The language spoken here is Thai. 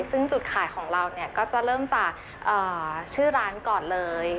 ซึ่งจุดขายของเราก็จะเริ่มจากชื่อร้านก่อนเลย